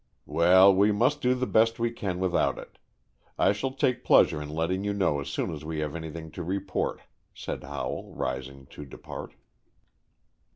"Well, we must do the best we can without it. I shall take pleasure in letting you know as soon as we have anything to report," said Howell, rising to depart.